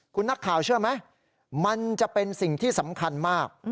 คุณนักข่าวเชื่อไหมมันจะเป็นสิ่งที่สำคัญมาก